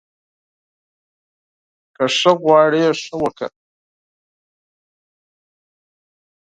که ښه غواړې، ښه وکړه